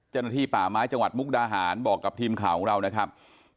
เจ้าหน้าที่ป่าไม้จังหวัดมุกดาหารบอกกับทีมข่าวของเรานะครับ